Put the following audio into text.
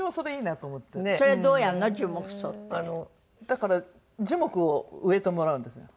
だから樹木を植えてもらうんですよ。